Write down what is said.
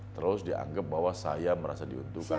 terus dianggap bahwa saya merasa diuntungkan